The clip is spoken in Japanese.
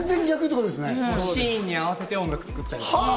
シーンに合わせて音楽を作ったり。